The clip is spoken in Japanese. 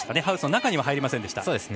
ハウスの中には入りませんでした。